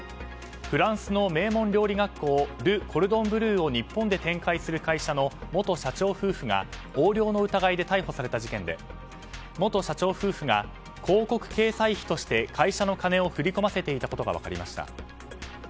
フランスの名門料理学校ル・コルドン・ブルーを日本で展開する会社の元社長夫婦が横領の疑いで逮捕された事件で元社長夫婦が広告掲載費として会社の金を振り込ませていたことが分かりました。